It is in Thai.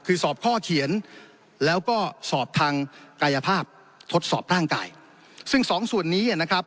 คือสอบข้อเขียนแล้วก็สอบทางกายภาพทดสอบร่างกายซึ่งสองส่วนนี้นะครับ